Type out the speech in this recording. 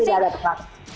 tidak ada penggerundat